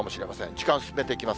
時間進めていきます。